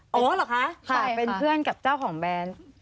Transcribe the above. อ๋อเหรอคะแต่เป็นเพื่อนกับเจ้าของแบรนด์